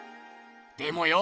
でもよ